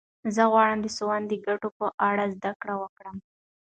زه غواړم د سونا د ګټو په اړه زده کړه وکړم.